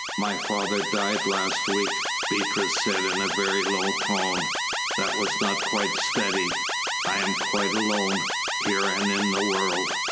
"My father died last week," Beatrice said in a very low tone, that was not quite steady. "I am quite alone here and in the world."